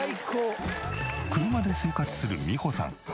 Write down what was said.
車で生活するみほさん。